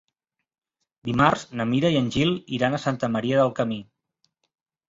Dimarts na Mira i en Gil iran a Santa Maria del Camí.